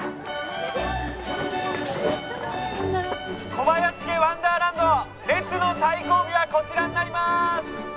小林家ワンダーランド列の最後尾はこちらになります。